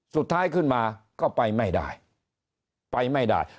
สุดท้ายขึ้นมาก็ไปไม่ได้ไปไม่ได้